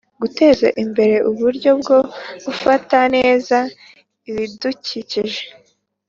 guteza imbere uburyo bwo gufata neza ibidukikije